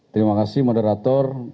terima kasih moderator